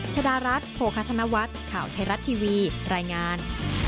ชดารัฐโภคธนวัฒน์ข่าวไทยรัฐทีวีรายงาน